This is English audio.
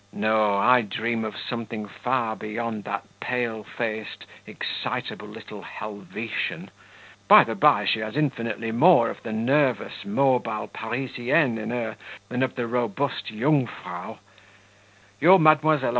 No; I dream of something far beyond that pale faced, excitable little Helvetian (by the by she has infinitely more of the nervous, mobile Parisienne in her than of the the robust 'jungfrau'). Your Mdlle.